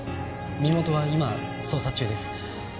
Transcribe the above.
身元は今捜査中です。